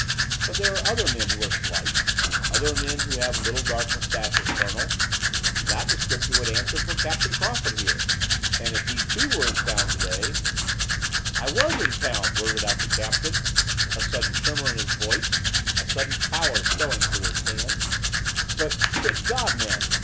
But there are other men who are slight, other men who have little dark moustaches, Colonel. That description would answer for Captain Crawford here; and if he, too, were in town to day " "I was in town!" blurted out the captain, a sudden tremor in his voice, a sudden pallor showing through his tan. "But, good God, man!